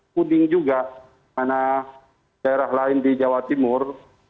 kuning juga karena daerah lain di jawa timur